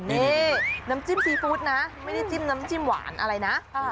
นี่น้ำจิ้มซีฟู้ดนะไม่ได้จิ้มน้ำจิ้มหวานอะไรนะ